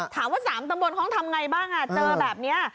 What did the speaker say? ถามว่า๓ตำบลเขาทำไงบ้างเจอแบบนี้